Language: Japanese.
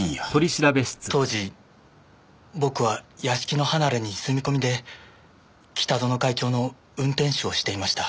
当時僕は屋敷の離れに住み込みで北薗会長の運転手をしていました。